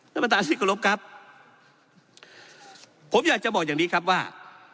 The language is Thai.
ท่านประธานที่กรบครับผมอยากจะบอกอย่างนี้ครับว่า